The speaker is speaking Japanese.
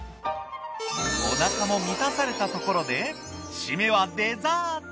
おなかも満たされたところで締めはデザート。